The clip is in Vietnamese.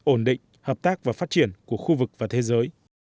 ổn định hợp tác và phát triển của khu vực và thế giới